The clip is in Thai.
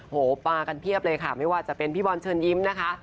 โหปากันเพียบเลยค่ะไม่ว่าจะเป็นพี่บอลเชิญยิ้มนะคะ